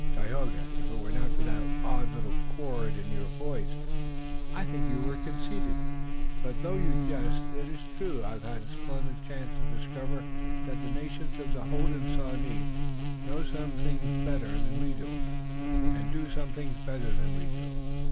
"Tayoga, if it were not for that odd little chord in your voice, I'd think you were conceited. But though you jest, it is true I've had a splendid chance to discover that the nations of the Hodenosaunee know some things better than we do, and do some things better than we do.